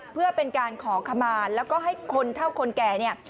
เพื่อเป็นการขอขมาแล้วก็ให้คนเท่าคนแก่เนี่ย